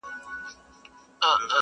ما در وبخښل لس كاله نعمتونه٫